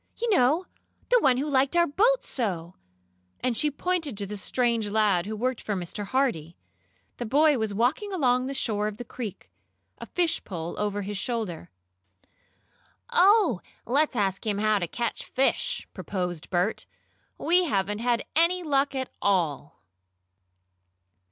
"You know the one who liked our boat so," and she pointed to the strange lad who worked for Mr. Hardee. The boy was walking along the shore of the creek, a fish pole over his shoulder. "Oh, let's ask him how to catch fish!" proposed Bert. "We haven't had any luck at all!"